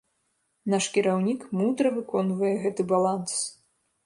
Наш кіраўнік мудра выконвае гэты баланс.